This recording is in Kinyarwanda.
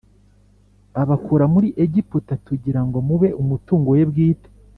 abakura muri Egiputa kugira ngo mube umutungo we bwite